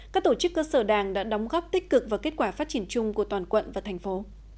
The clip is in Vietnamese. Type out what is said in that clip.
các tổ chức cơ sở đảng đã đóng góp tích cực vào kết quả phát triển chung của toàn quận và thành phố